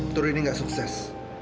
tur ini nggak sukses